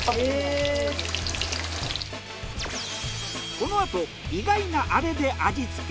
このあと意外なアレで味付け。